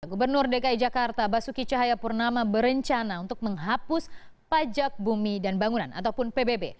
gubernur dki jakarta basuki cahayapurnama berencana untuk menghapus pajak bumi dan bangunan ataupun pbb